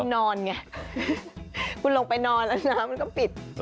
คุณนอนไงคุณลงไปนอนแล้วน้ำมันก็ปิด